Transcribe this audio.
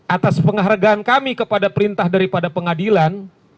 atas penghargaan kami kepada perintah daripada pengadilan